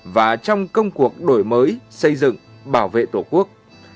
và trong công cuộc đổi mới xây dựng bảo vệ tổ quốc